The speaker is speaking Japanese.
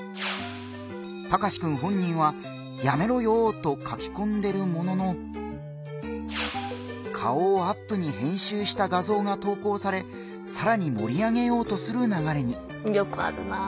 タカシくん本人は「やめろよー」と書きこんでるものの顔をアップに編集した画像が投稿されさらに盛り上げようとするながれに。